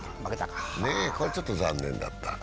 これ、ちょっと残念だった。